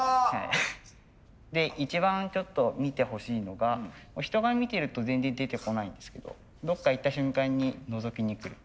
で一番ちょっと見てほしいのが人が見てると全然出てこないんですけどどっか行った瞬間にのぞきにくる。